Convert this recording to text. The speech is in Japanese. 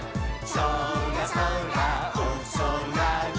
「そらそらおそらに」